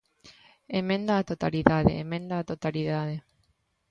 ¡Emenda á totalidade!, ¡emenda á totalidade!